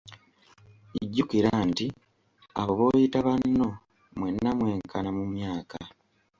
Jjukira nti abo b'oyita banno mwenna mwenkana mu myaka.